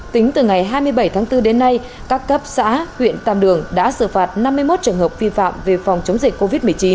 tính từ ngày hai mươi bảy tháng bốn đến nay các cấp xã huyện tam đường đã xử phạt năm mươi một trường hợp vi phạm về phòng chống dịch covid một mươi chín